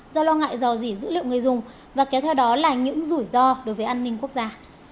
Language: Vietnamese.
do lo ngại dò dỉ dữ liệu người dùng và kéo theo đó là những rủi ro đối với an ninh quốc gia